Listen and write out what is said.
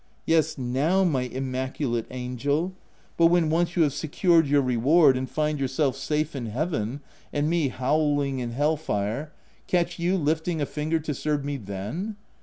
" Yes, now, my immaculate angel ; but when once you have secured your reward, and find yourself safe in Heaven, and me howling in 236 THE TENANT hell fire, catch you lifting a finger to serve me then